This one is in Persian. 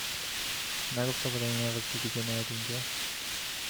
نگفته بودم این عوضی دیگه نیاد اینجا؟